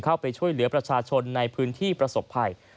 เข้าไปช่วยเหลือประชาชนในพื้นที่ประสบภัย